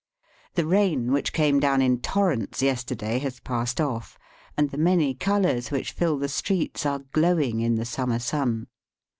, The rain which came down in torrents yesterday has passed off, and the many colours which fill the streets are glowing in the summer sun.